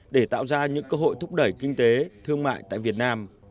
để tạo ra những cơ hội thúc đẩy kinh tế thương mại tại việt nam